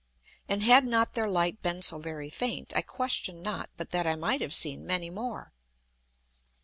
And had not their Light been so very faint, I question not but that I might have seen many more.